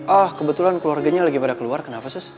ah kebetulan keluarganya lagi pada keluar kenapa sus